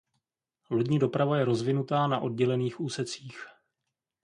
Lodní doprava je rozvinutá na oddělených úsecích.